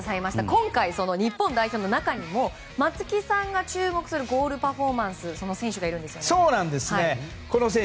今回、日本代表の中にも松木さんが注目するゴールパフォーマンスの選手がいるんですよね。